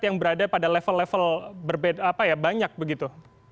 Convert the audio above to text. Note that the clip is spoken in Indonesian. yang berada pada level level berbeda apa ya banyak begitu